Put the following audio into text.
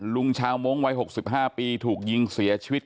ลุงชาวมงค์วัย๖๕ปีถูกยิงเสียชีวิต